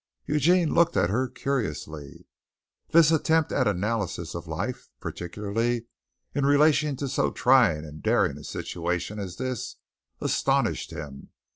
Eugene looked at her curiously. This attempt at analysis of life, particularly in relation to so trying and daring a situation as this, astonished him.